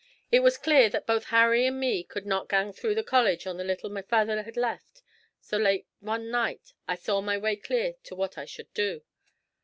It was clear that both Harry and me could not gang through the college on the little my faither had left. So late one night I saw my way clear to what I should do.